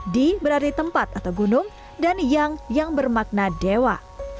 di berarti tempat atau gunung dan yang bermakna dewa